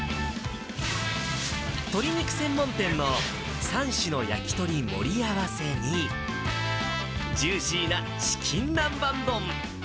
鶏肉専門店の３種の焼き鳥盛り合わせに、ジューシーなチキン南蛮丼。